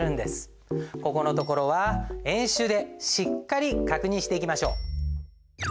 ここのところは演習でしっかり確認していきましょう。